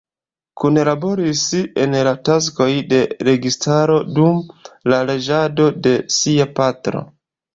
Kunlaboris en la taskoj de registaro dum la reĝado de sia patro.